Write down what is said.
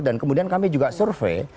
dan kemudian kami juga survei